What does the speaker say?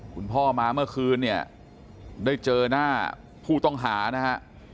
คุณพ่อมาเมื่อคืนเนี่ยได้เจอหน้าผู้ต้องหานะฮะ